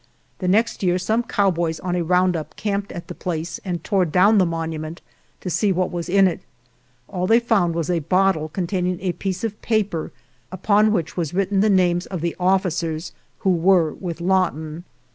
The next year some cowboys on a round up camped at the place, and tore down the monument to see what was in it. 173 GERONIMO All they found was a bottle containing a piece of paper upon which was written the names of the officers who were with Lawton.